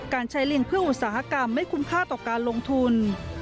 การใช้ลิงเพื่ออุตสาหกรรมไม่คุ้มค่าต่อการลงทุน